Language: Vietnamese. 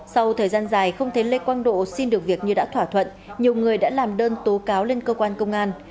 sau thời gian dài không thấy lê quang độ xin được việc như đã thỏa thuận nhiều người đã làm đơn tố cáo lên cơ quan công an